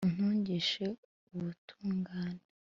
untungishe ubutungane